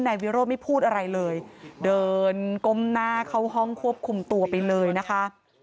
นายวิโรธไม่พูดอะไรเลยเดินก้มหน้าเข้าห้องควบคุมตัวไปเลยนะคะ